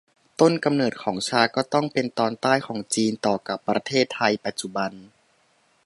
ต้นกำเนิดของชาก็ต้องเป็นตอนใต้ของจีน ต่อกับประเทศไทยปัจจุบัน